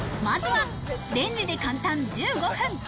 まずはレンジで簡単１５分。